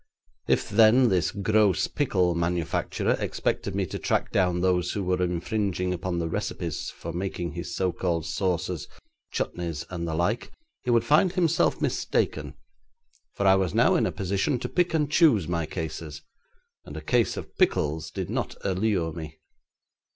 If then, this gross pickle manufacturer expected me to track down those who were infringing upon the recipes for making his so called sauces, chutneys, and the like, he would find himself mistaken, for I was now in a position to pick and choose my cases, and a case of pickles did not allure me.